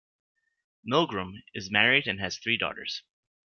Milgrom is married and has three daughters.